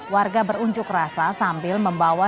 warga berunjuk rasa sambil membawa